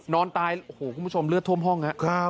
นอนตายโอ้โหคุณผู้ชมเลือดท่วมห้องครับ